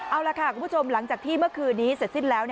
เอาล่ะค่ะคุณผู้ชมหลังจากที่เมื่อคืนนี้เสร็จสิ้นแล้ว